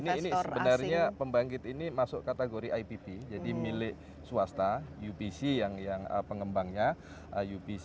ini sebenarnya pembangkit ini masuk kategori ipp jadi milik swasta upc yang pengembangnya upc